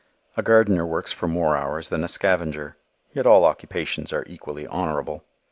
A gardener works for more hours than a scavenger. Yet all occupations are equally honorable.